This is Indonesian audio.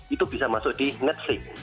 itu bisa masuk di netflix